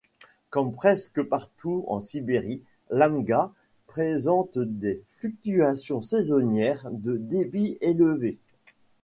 Comme presque partout en Sibérie, l'Amga présente des fluctuations saisonnières de débit élevées.